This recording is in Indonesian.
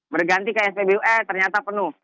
berganti ke spbu ternyata penuh